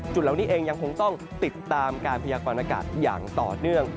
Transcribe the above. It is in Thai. จุดเหล่านี้เองยังคงต้องติดตามการพยากรณากาศอย่างต่อเนื่อง